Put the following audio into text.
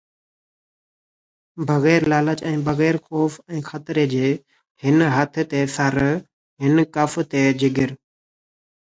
بغير لالچ ۽ بغير خوف ۽ خطري جي، هن هٿ تي سر، هن ڪف تي جگر